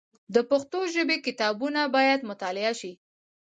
د پښتو ژبي کتابونه باید مطالعه سي.